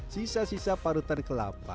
sisa sisa parutan kelapa